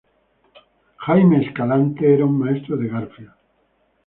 Jaime Escalante era un maestro de Garfield.